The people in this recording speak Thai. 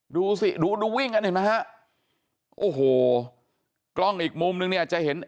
ดูสิดูดูวิ่งกันเห็นไหมฮะโอ้โหกล้องอีกมุมนึงเนี่ยจะเห็น